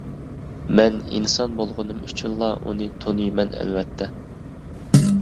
مەن ئىنسان بولغىنىم ئۈچۈنلا ئۇنى تونۇيمەن ئەلۋەتتە.